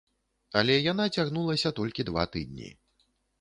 Але яна цягнулася толькі два тыдні.